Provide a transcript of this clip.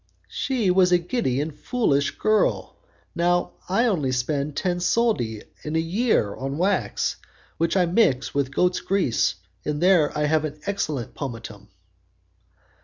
"She was a giddy, foolish girl. Now, I spend only ten soldi in one year on wax which I mix with goat's grease, and there I have an excellent pomatum."